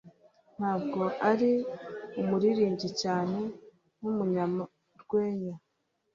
Ntabwo ari umuririmbyi cyane nkumunyarwenya.